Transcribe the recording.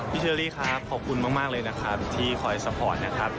พี่เชอรี่ครับขอบคุณมากเลยที่ขอไสพอร์ตนะครับ